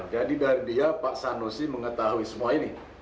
jadi dari dia pak sanusi mengetahui semua ini